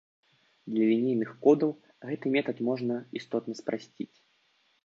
Для лінейных кодаў гэты метад можна істотна спрасціць.